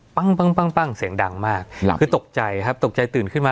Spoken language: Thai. ปั้งปั้งเสียงดังมากคือตกใจครับตกใจตื่นขึ้นมา